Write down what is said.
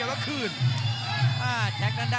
กรรมการเตือนทั้งคู่ครับ๖๖กิโลกรัม